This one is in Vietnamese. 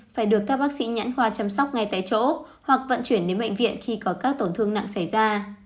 phải được các bác sĩ nhãn khoa chăm sóc ngay tại chỗ hoặc vận chuyển đến bệnh viện khi có các tổn thương nặng xảy ra